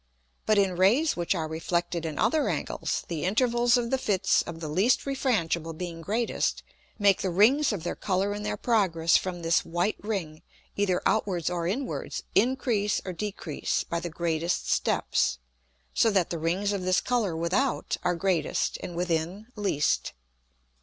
But in Rays which are reflected in other Angles, the Intervals of the Fits of the least refrangible being greatest, make the Rings of their Colour in their progress from this white Ring, either outwards or inwards, increase or decrease by the greatest steps; so that the Rings of this Colour without are greatest, and within least.